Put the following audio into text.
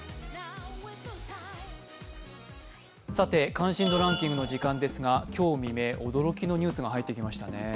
「関心度ランキング」の時間ですが今日未明、驚きのニュースが入ってきましたね。